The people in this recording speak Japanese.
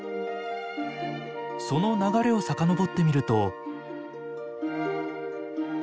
その流れを遡ってみると。